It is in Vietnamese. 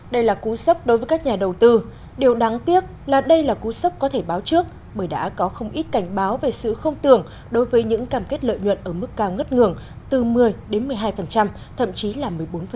đây là cú sốc đối với các nhà đầu tư điều đáng tiếc là đây là cú sốc có thể báo trước bởi đã có không ít cảnh báo về sự không tưởng đối với những cam kết lợi nhuận ở mức cao ngất ngường từ một mươi đến một mươi hai thậm chí là một mươi bốn